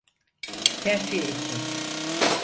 Terfi ettin.